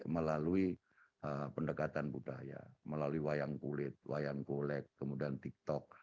melalui pendekatan budaya melalui wayang kulit wayang golek kemudian tiktok